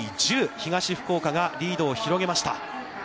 東福岡がリードを広げました。